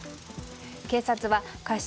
警察は過失